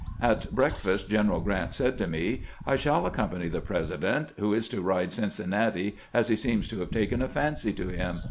At breakfast G eneral G rant said to me : "I shall ac company the President, who is to ride 'Cincinnati,' as he seems to have taken a fancy to him.